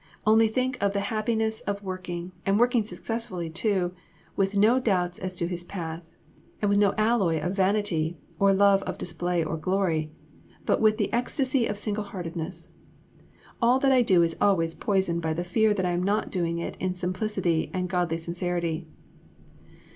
Only think of the happiness of working, and working successfully too, and with no doubts as to His path, and with no alloy of vanity or love of display or glory, but with the ecstasy of single heartedness! All that I do is always poisoned by the fear that I am not doing it in simplicity and godly sincerity."